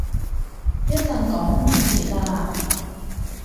一陣趕唔切喇